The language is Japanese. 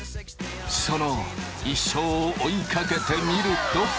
その一生を追いかけてみると。